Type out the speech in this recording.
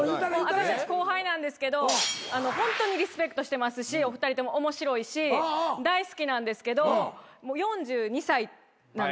私たち後輩なんですけどホントにリスペクトしてますしお二人とも面白いし大好きなんですけどもう４２歳なんですよご年齢が。